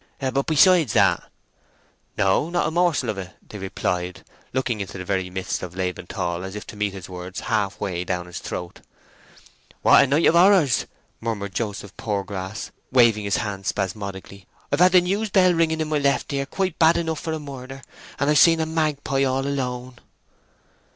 "But besides that?" "No—not a morsel of it!" they replied, looking into the very midst of Laban Tall as if to meet his words half way down his throat. "What a night of horrors!" murmured Joseph Poorgrass, waving his hands spasmodically. "I've had the news bell ringing in my left ear quite bad enough for a murder, and I've seen a magpie all alone!"